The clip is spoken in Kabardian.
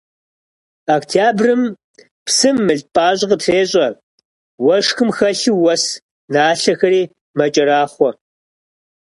Октябрым псым мыл пӀащӀэ къытрещӀэ, уэшхым хэлъу уэс налъэхэри мэкӀэрахъуэ.